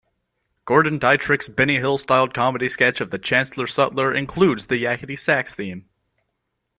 Gordon Deitrich's Benny Hill-styled comedy sketch of Chancellor Sutler includes the "Yakety Sax" theme.